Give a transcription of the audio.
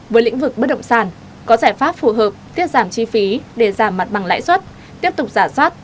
với lĩnh vực bất động sản có giải pháp phù hợp tiết giảm chi phí để giảm mặt bằng lãi suất tiếp tục giả soát